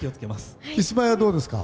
キスマイはどうですか？